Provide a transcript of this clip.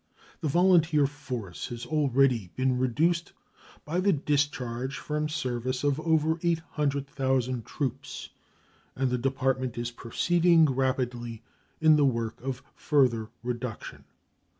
The volunteer force has already been reduced by the discharge from service of over 800,000 troops, and the Department is proceeding rapidly in the work of further reduction.